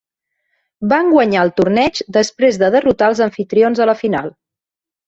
Van guanyar el torneig després de derrotar els amfitrions a la final.